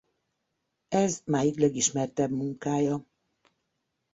Ez máig legismertebb munkája.